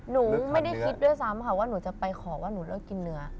หนูไม่ได้คิดด้วยซ้ำค่ะว่าหนูจะไปขอว่าหนูเลิกกินเนื้อ